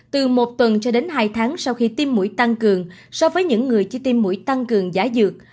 từ một tuần cho đến hai tháng sau khi tiêm mũi tăng cường so với những người chi tiêm mũi tăng cường giả dược